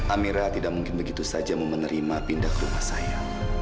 amera tidak mungkin begitu saja menerima pindah ke rumah saya